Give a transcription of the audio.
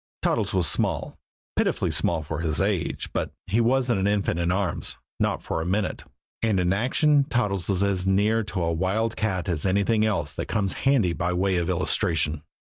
Toddles was small, pitifully small for his age; but he wasn't an infant in arms not for a minute. And in action Toddles was as near to a wild cat as anything else that comes handy by way of illustration.